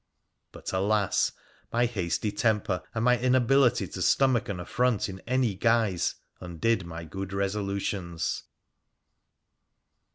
But, alas ! my hasty temper and my inability to stomach an affront in any guise undid my good resolutions.